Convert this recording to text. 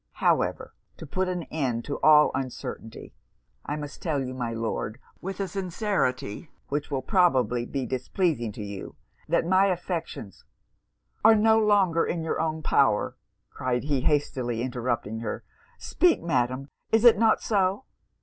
However, to put an end to all uncertainty, I must tell you, my Lord, with a sincerity which will probably be displeasing to you, that my affections ' 'Are no longer in your own power!' cried he, hastily interrupting her 'Speak, Madam is it not so?'